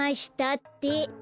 って。